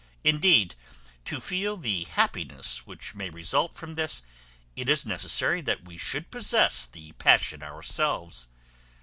Indeed, to feel the happiness which may result from this, it is necessary we should possess the passion ourselves.